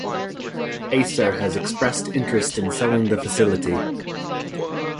Acer has expressed interest in selling the facility.